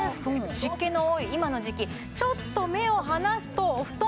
湿気の多い今の時期ちょっと目を離すとお布団